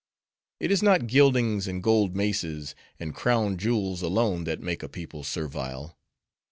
"It is not gildings, and gold maces, and crown jewels alone, that make a people servile.